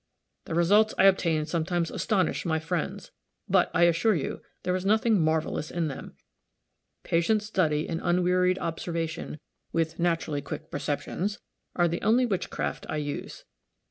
The results I obtain sometimes astonish my friends. But, I assure you, there is nothing marvelous in them. Patient study and unwearied observation, with naturally quick perceptions, are the only witchcraft I use.